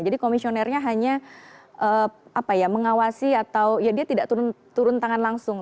jadi komisionernya hanya apa ya mengawasi atau ya dia tidak turun tangan langsung